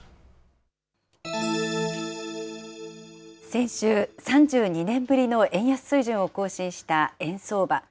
先週、３２年ぶりの円安水準を更新した円相場。